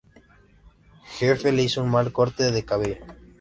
Jefe, le hizo un mal corte de cabello.